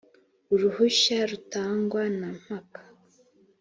uruhushya rutangwa nta mpaka